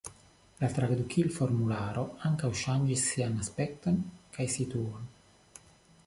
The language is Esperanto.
La tradukil-formularo ankaŭ ŝanĝis sian aspekton kaj situon.